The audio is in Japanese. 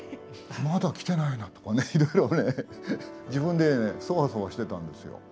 まだ来てないな、とかいろいろね自分でそわそわしてたんですよ。